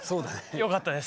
よかったです。